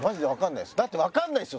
だってわかんないですよ